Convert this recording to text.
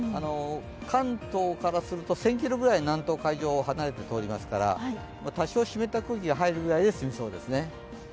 関東からすると１０００ｋｍぐらい南東海上を進みますから多少湿った空気が入るぐらいですみそうですね。